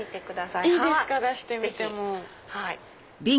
いいですか出してみても。